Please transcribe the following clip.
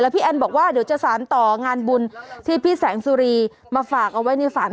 พี่แอนบอกว่าเดี๋ยวจะสารต่องานบุญที่พี่แสงสุรีมาฝากเอาไว้ในฝัน